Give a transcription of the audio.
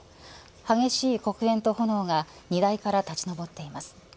激しい黒煙と炎が荷台から立ち上っています。